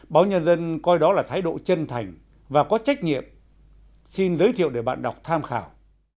báo nhân dân coi đó là thái độ chân thành và có trách nhiệm xin giới thiệu để bạn đọc tham khảo